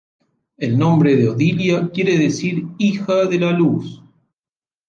El nombre de "Odilia" quiere decir "Hija de la Luz".